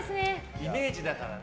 イメージだからね。